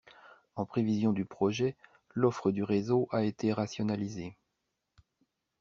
En prévision du projet, l'offre du réseau a été rationalisée.